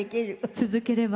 続ければ。